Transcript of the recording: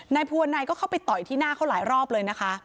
ภูวนัยก็เข้าไปต่อยที่หน้าเขาหลายรอบเลยนะคะ